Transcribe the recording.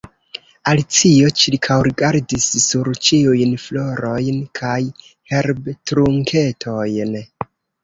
Alicio ĉirkaŭrigardis sur ĉiujn florojn kaj herbtrunketojn.